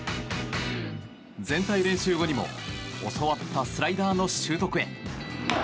全体練習後にも教わったスライダーの習得へ。